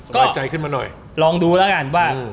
ก็ลองดูละกันว่า